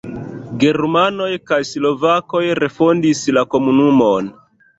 Germanoj kaj slovakoj refondis la komunumon.